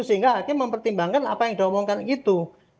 sehingga hakim mempertimbangkan apa yang diomongkan itu